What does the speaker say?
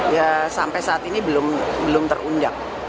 ya sampai saat ini belum terundang